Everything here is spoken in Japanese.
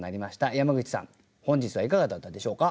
山口さん本日はいかがだったでしょうか？